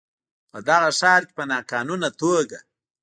په دغه ښار کې په ناقانونه توګه